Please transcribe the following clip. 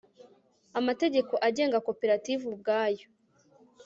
amategeko agenga koperative ubwayo